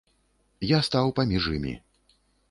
Я стаў паміж імі.